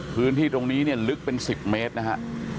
พื้นที่ตรงนี้เนี่ยลึกเป็น๑๐เมตรนะฮะ